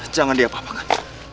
jangan dia papan